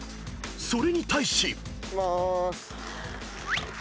［それに対し］